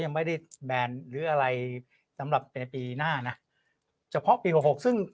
ไม่ได้แบนหรืออะไรสำหรับในปีหน้านะเฉพาะปีหกหกซึ่ง